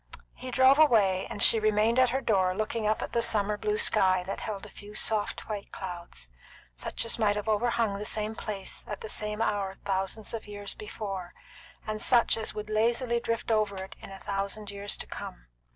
He drove away, and she remained at her door looking up at the summer blue sky that held a few soft white clouds, such as might have overhung the same place at the same hour thousands of years before, and such as would lazily drift over it in a thousand years to come.